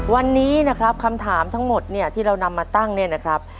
วันนี้นะครับคำถามทั้งหมดเนี่ยที่เรานำมาตั้งเนี่ยนะครับ